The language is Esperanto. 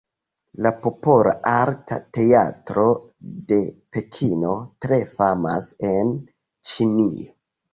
La Popola Arta Teatro de Pekino tre famas en Ĉinio.